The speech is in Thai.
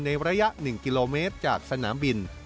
ในระยะ๑กิโลเมตรจากสนามบิน